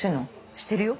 してるよ。